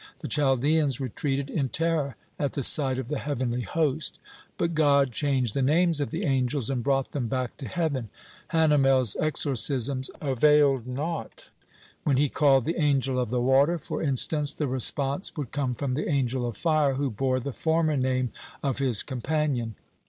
The Chaldeans retreated in terror at the sight of the heavenly host. But God changed the names of the angels, and brought them back to heaven. Hanamel's exorcisms availed naught. When he called the Angel of the Water, for instance, the response would come from the Angel of Fire, who bore the former name of his companion.